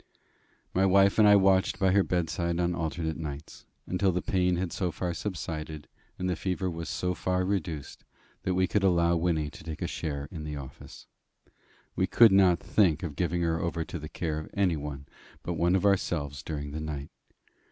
My wife and I watched by her bedside on alternate nights, until the pain had so far subsided, and the fever was so far reduced, that we could allow Wynnie to take a share in the office. We could not think of giving her over to the care of any but one of ourselves during the night.